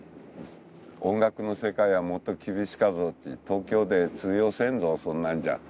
「音楽の世界はもっと厳しかぞ」って「東京で通用せんぞそんなんじゃ」